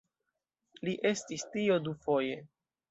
Li estis tio dufoje.